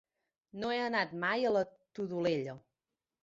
No he anat mai a la Todolella.